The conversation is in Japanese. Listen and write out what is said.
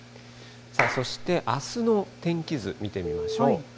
そしてあすの天気図見てみましょう。